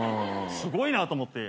すごいなと思って。